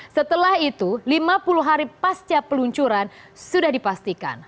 setelah itu lima puluh hari pasca peluncuran sudah dipastikan